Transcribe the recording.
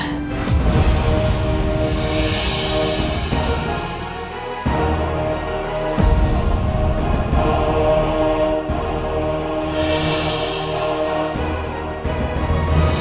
aku juga merindu